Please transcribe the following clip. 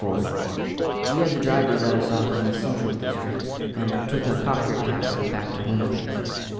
] We had the driver let us off in the central district and took a copter taxi back to Homefield.